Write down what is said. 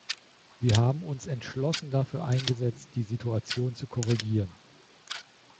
Wir haben uns entschlossen dafür eingesetzt, die Situation zu korrigieren.